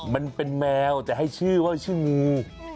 มันเป็นแมวแต่ให้ชื่อว่าชื่องู